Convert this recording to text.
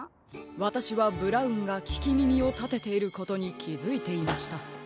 わたしはブラウンがききみみをたてていることにきづいていました。